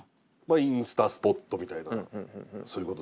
インスタスポットみたいなそういうことですよね。